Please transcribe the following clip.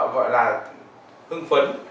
gọi là hưng phấn